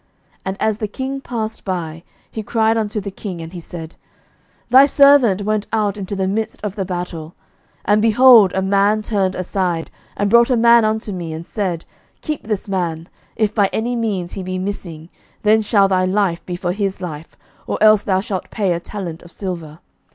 11:020:039 And as the king passed by, he cried unto the king: and he said, Thy servant went out into the midst of the battle; and, behold, a man turned aside, and brought a man unto me, and said, Keep this man: if by any means he be missing, then shall thy life be for his life, or else thou shalt pay a talent of silver.